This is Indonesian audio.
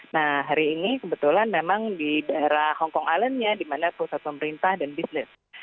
nah hari ini kebetulan memang di daerah hongkong island nya di mana pusat pemerintah dan bisnis